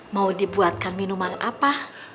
mau dibuatkan minuman apa